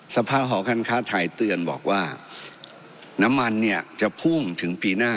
สภาหอการค้าไทยเตือนบอกว่าน้ำมันเนี่ยจะพุ่งถึงปีหน้า